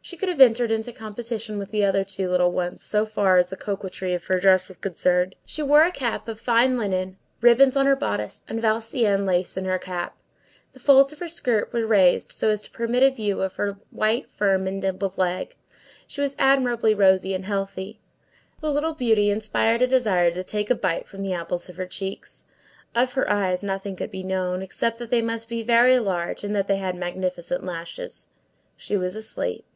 She could have entered into competition with the two other little ones, so far as the coquetry of her dress was concerned; she wore a cap of fine linen, ribbons on her bodice, and Valenciennes lace on her cap. The folds of her skirt were raised so as to permit a view of her white, firm, and dimpled leg. She was admirably rosy and healthy. The little beauty inspired a desire to take a bite from the apples of her cheeks. Of her eyes nothing could be known, except that they must be very large, and that they had magnificent lashes. She was asleep.